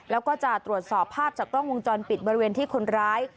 แล้วก็จะตรวจสอบภาพจากกล้องวงจรปิดบริเวณที่คนร้าย